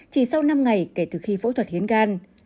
chỉ sau năm ngày kể từ khi phẫu thuật hiến gan